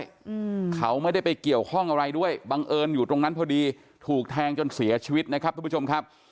อืมเขาไม่ได้ไปเกี่ยวข้องอะไรด้วยบังเอิญอยู่ตรงนั้นพอดีถูกแทงจนเสียชีวิตนะครับทุกผู้ชมครับ